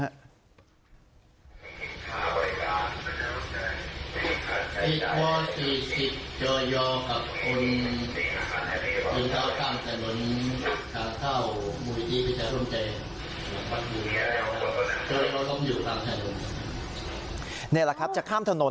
นี่แหละครับจะข้ามถนน